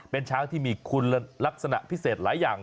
เป็นช้างที่มีคุณลักษณะพิเศษหลายอย่าง